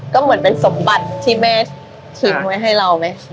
ก็เหมือนเป็นสมบัติที่แม่ทิ้งไว้ให้เราไหม